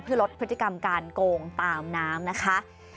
เพื่อลดพฤติกรรมการโกงตามน้ำนะคะ